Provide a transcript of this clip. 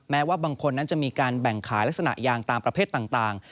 ว่าบางคนนั้นจะมีการแบ่งขายลักษณะยางตามประเภทต่าง